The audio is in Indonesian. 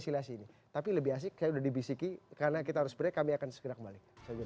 sebenarnya bagus untuk berkomunisiasi ini tabi lebih asik saya udah dibiliki karena kita harus berarti kami akan segera kembali